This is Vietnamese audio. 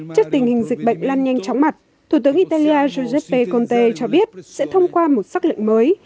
trước tình hình dịch bệnh lan nhanh chóng mặt thủ tướng italia giuseppe conte cho biết sẽ thông qua một sắc lệnh mới